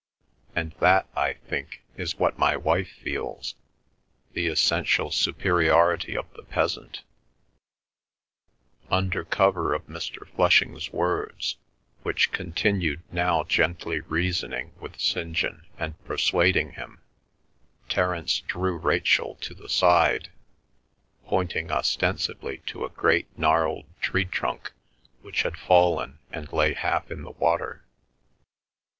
"And that, I think, is what my wife feels, the essential superiority of the peasant—" Under cover of Mr. Flushing's words, which continued now gently reasoning with St. John and persuading him, Terence drew Rachel to the side, pointing ostensibly to a great gnarled tree trunk which had fallen and lay half in the water.